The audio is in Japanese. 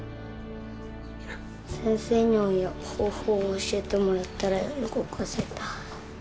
先生に方法を教えてもらったら動かせた。